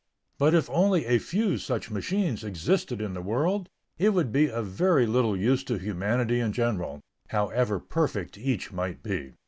But if only a few such machines existed in the world, it would be of very little use to humanity in general, however perfect each might be.